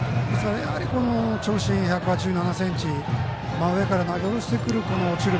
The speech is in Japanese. この長身１８７ｃｍ真上から投げ下ろしてくる落ちる